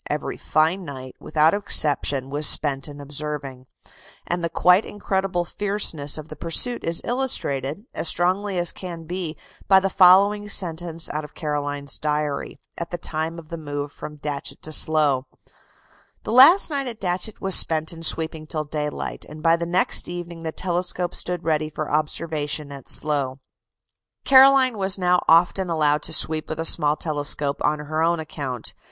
Every fine night without exception was spent in observing: and the quite incredible fierceness of the pursuit is illustrated, as strongly as it can be, by the following sentence out of Caroline's diary, at the time of the move from Datchet to Slough: "The last night at Datchet was spent in sweeping till daylight, and by the next evening the telescope stood ready for observation at Slough." Caroline was now often allowed to sweep with a small telescope on her own account.